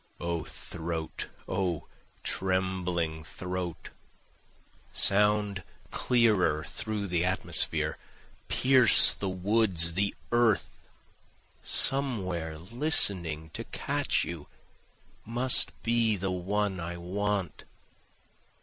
O throat! O trembling throat! Sound clearer through the atmosphere! Pierce the woods, the earth, Somewhere listening to catch you must be the one I want.